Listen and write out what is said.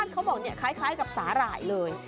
เขาบอกคล้ายกับสาหร่ายเลย